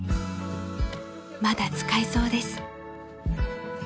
［まだ使えそうです］